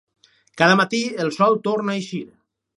Cada matí el sol torna a eixir.